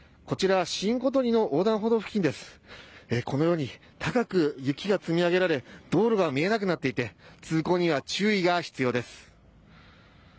このように高く雪が積み上げられ道路が見えなくなっていて通行には注意が必要です。